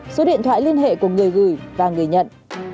số điện thoại liên hệ của người gửi và người nhận